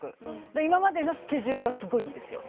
だから今までのスケジュールはすっごいいいですよ。